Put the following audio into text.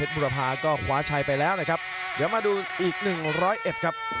สุดท้ายไปแล้วนะครับเดี๋ยวมาดูอีก๑๐๑ครับ